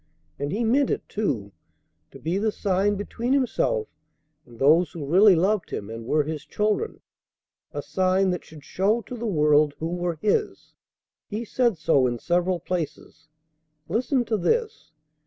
And He meant it, too, to be the sign between Himself and those who really loved Him and were His children, a sign that should show to the world who were His. He said so in several places. Listen to this."